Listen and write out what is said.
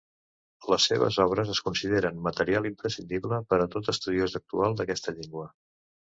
Les seves obres es consideren material imprescindible per a tot estudiós actual d'aquesta llengua.